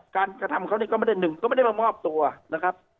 การกระทำเขานี่ก็ไม่ได้มามอบตัวนะครับ